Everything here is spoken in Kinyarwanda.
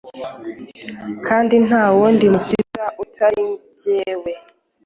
kandi nta wundi mukiza utari jyewe.